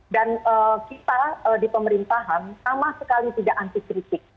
dan kita di pemerintahan sama sekali tidak antikritik